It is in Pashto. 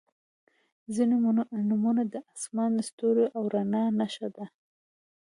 • ځینې نومونه د آسمان، ستوریو او رڼا نښه ده.